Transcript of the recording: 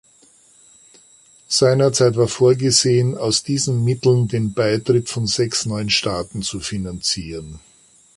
Seinerzeit war vorgesehen, aus diesen Mitteln den Beitritt von sechs neuen Staaten zu finanzieren.